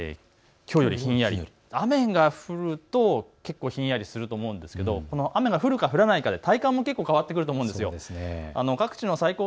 きょうよりひんやり、雨が降ると、結構ひんやりすると思うんですけれども、雨が降るか降らないかで体感も変わってくると思うんです。